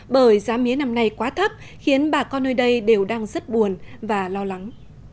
bởi giá mía năm nay quá thấp khiến bà con nơi đây đều đang rất buồn và lo lắng